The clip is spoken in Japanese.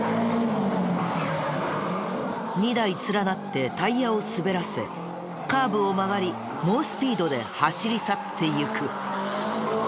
２台連なってタイヤを滑らせカーブを曲がり猛スピードで走り去っていく。